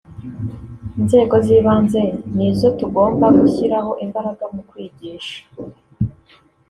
Inzego z’ibanze ni zo tugomba gushyiraho imbaraga mu kwigisha